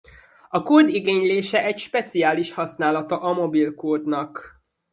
A kód igénylése egy speciális használata a mobil kódnak.